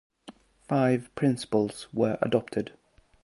Five principles were adopted.